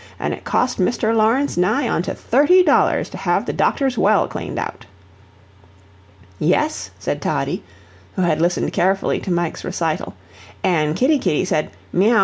An' it cost Mr. Lawrence nigh onto thirty dollars to have dhe docthor's well claned out." "Yes," said Toddie, who had listened carefully to Mike's recital, "an' kitty kitty said, 'Miauw!